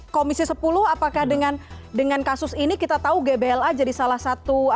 komisi sepuluh apakah dengan kasus ini kita tahu gbla jadi salah satu